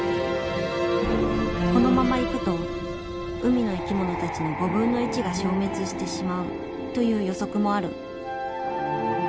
このままいくと海の生き物たちの５分の１が消滅してしまうという予測もある。